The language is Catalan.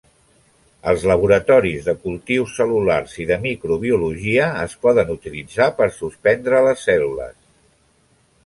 Als laboratoris de cultius cel·lulars i de microbiologia es poden utilitzar per suspendre les cèl·lules.